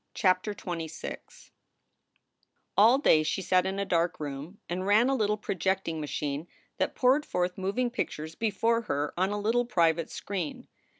CHAPTER XXVI AJL day she sat in a dark room and ran a little projecting machine that poured forth moving pictures before her on a little private screen.